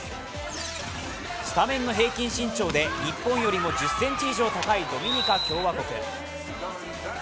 スタメンの平均身長で日本より１０ｃｍ以上高いドミニカ共和国。